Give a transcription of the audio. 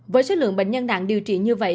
với số lượng bệnh nhân nặng điều trị như vậy